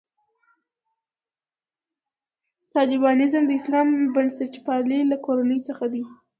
طالبانیزم د اسلامي بنسټپالنې له کورنۍ څخه دی.